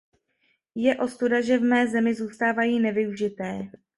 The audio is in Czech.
Je ostuda, že v mé zemi zůstávají nevyužité.